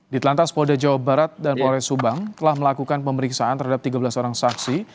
di telantas polda jawa barat dan polres subang telah melakukan pemeriksaan terhadap tiga belas orang saksi